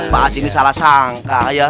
pak ini salah sangka ya